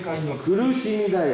「苦しみ」だよ